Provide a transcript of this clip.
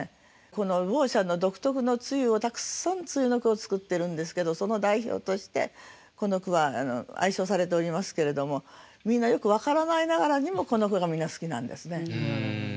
この茅舎の独特の露をたくさん露の句を作ってるんですけどその代表としてこの句は愛唱されておりますけれどもみんなよく分からないながらにもこの句がみんな好きなんですね。